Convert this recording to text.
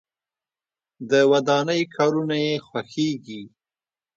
د ودانۍ کارونه یې خوښیږي.